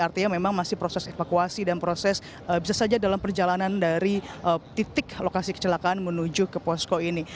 artinya memang masih proses evakuasi dan proses bisa saja dalam perjalanan dari titik lokasi kecelakaan menuju ke posko ini